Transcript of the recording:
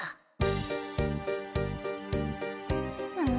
うん。